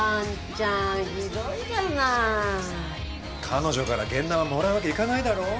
彼女から現ナマもらうわけいかないだろう？